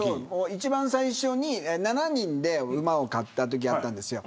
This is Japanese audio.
一番最初に７人で馬を買ったことあるんですよ。